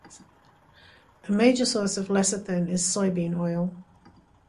A major source of lecithin is soybean oil.